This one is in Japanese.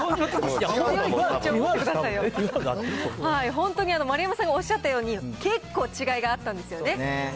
本当に丸山さんがおっしゃったように、結構違いがあったんでそうですね。